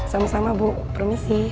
sama sama bu permisi